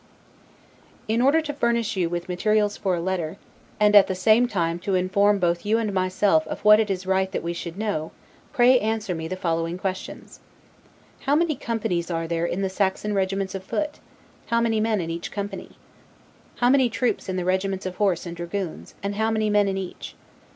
In order to furnish you with materials for a letter, and at the same time to inform both you and myself of what it is right that we should know, pray answer me the following questions: How many companies are there in the Saxon regiments of foot? How many men in each company? How many troops in the regiments of horse and dragoons; and how many men in each?